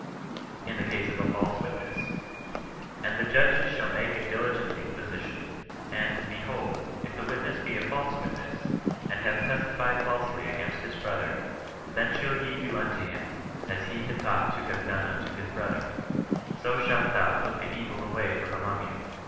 In the case of a false witness :" And the judges shall make diligent inquisition: and, behold, if the witness be a false witness, and hath testified falsely against his bro ther ; then shall ye do unto him, as ne had thought to have done unto his brother : so shalt thou put the evil away from among you.